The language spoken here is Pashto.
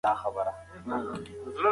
تصمیم ونیسئ.